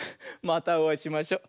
またおあいしましょ。